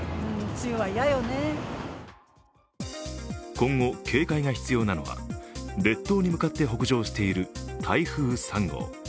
今後、警戒が必要なのは列島に向かって北上している台風３号。